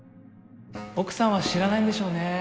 奥さんは知らないんでしょうね。